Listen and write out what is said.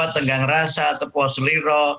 tenggang rasa terpuas liru